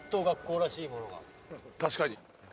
「確かに」